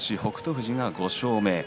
富士に５勝目。